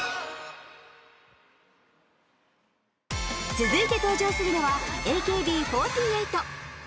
続いて登場するのは ＡＫＢ４８。